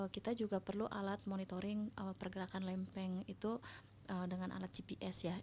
kita juga perlu alat monitoring pergerakan lempeng itu dengan alat gps ya